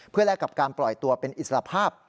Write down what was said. เพื่อแลกกับการปล่อยตัวเป็นอิสระภาพ